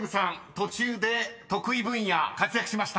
途中で得意分野活躍しました］